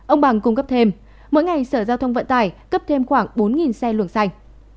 ông bằng cung cấp thêm mỗi ngày sở giao thông vận tải cấp thêm khoảng bốn xe luồng xanh